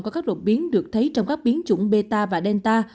có các đột biến được thấy trong các biến chủng beta và delta